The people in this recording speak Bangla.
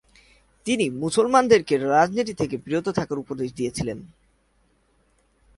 তিনি মুসলমানদেরকে রাজনীতি থেকে বিরত থাকার উপদেশ দিয়েছিলেন।